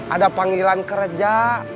ada panggilan kerja